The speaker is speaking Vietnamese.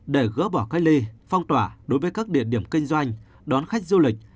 để gỡ bỏ cách ly phong tỏa đối với các địa điểm kinh doanh đón khách du lịch